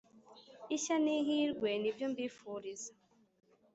ishya nihirwe nibyo mbifuriza